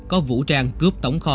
có vũ trang cướp tổng kho